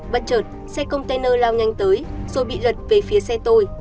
bất chợt xe container lao nhanh tới rồi bị lật về phía xe tôi